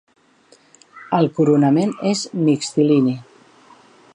El coronament és mixtilini.